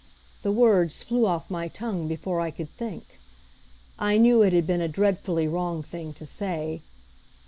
The words flew off my tongue before I could think. I knew it had been a dreadfully wrong thing to say.